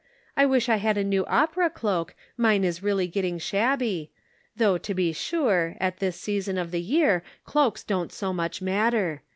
I wish I had a new opera cloak, mine is really getting shabby ; though to be sure, at this season of the year cloaks don't so much matter.